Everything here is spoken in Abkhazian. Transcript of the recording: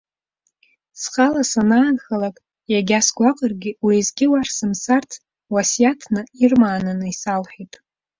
Схала санаанхалак, егьа сгәаҟыргьы, уеизгьы уахь сымцарц, уасиаҭны, ирмаананы исалҳәеит.